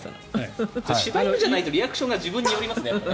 柴犬じゃないとリアクションが自分に寄りますね。